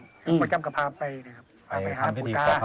ต้องมาจ้ำกระพาไปนะครับ